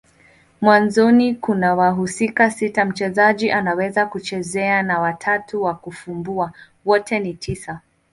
Mwanzoni kuna wahusika sita mchezaji anaweza kuchezea na watatu wa kufumbua. Wote ni tisa.